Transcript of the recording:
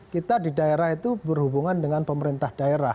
kita di daerah itu berhubungan dengan pemerintah daerah